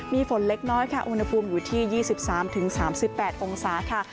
มีฝนเล็กน้อยค่ะอุณหภูมิอยู่ที่๒๓๓๘องศาค่ะ